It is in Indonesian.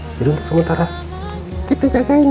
jadi untuk sementara kita jagain ya